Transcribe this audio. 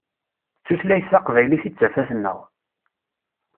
D tutlayt taqbaylit i d tafat-nneɣ.